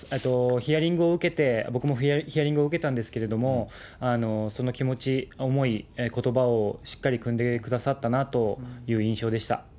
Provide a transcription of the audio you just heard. ヒアリングを受けて、僕もヒアリングを受けたんですけれども、その気持ち、思い、ことばをしっかりくんでくださったなという印象でした。